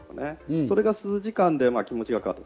それが数時間で気持ちが変わった。